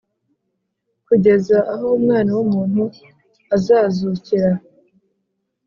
kugeza aho Umwana w’umuntu azazukira.”